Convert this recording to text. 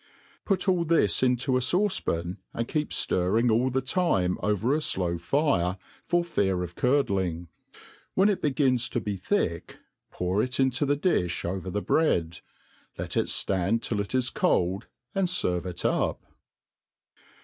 Put all this into a fauce pan, and keep ftirring all the time over a flow fire, for fear of curdling. When it begins to be thick, pour it ihto the diih over the bread. Let it ftand tift it is cold, and ferve it up.